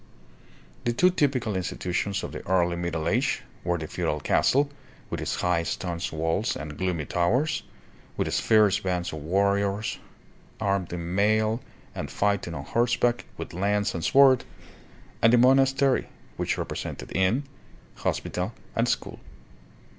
The two typical institutions of the early Middle Age were the feudal castle, with its high stone walls and gloomy towers, with its fierce bands of warriors armed in mail and fighting on horseback with lance and sword, and the monastery, which represented inn, hospi tal, and school.